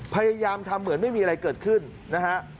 พยายามทำเหมือนไม่มีอะไรเกิดขึ้นนะฮะ